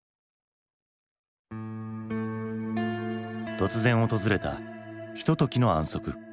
突然訪れたひとときの安息。